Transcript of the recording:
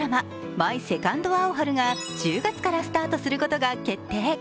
「マイ・セカンド・アオハル」が１０月からスタートすることが決定。